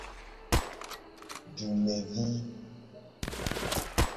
Dumevi.